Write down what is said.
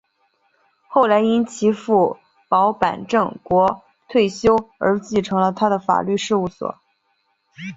后来因其父保坂正国退休而承继了他的法律事务所。